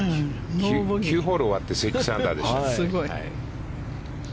９ホール終わって６アンダーでしょ。